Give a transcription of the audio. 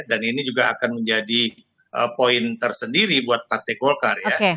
dan ini juga akan menjadi poin tersendiri buat partai golkar ya